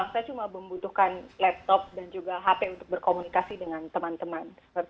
saya cuma membutuhkan laptop dan juga hp untuk berkomunikasi dengan teman teman